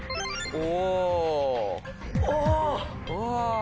お。